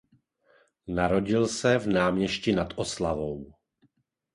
Narodil se v Náměšti nad Oslavou.